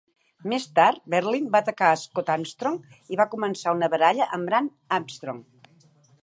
Més tard, Berlyn va atacar a Scott Armstrong i va començar una baralla amb Brad Armstrong.